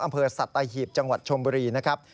อำเภอสัตหีบจังหวัดชมบุรีนะครับ